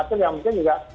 artinya yang mungkin juga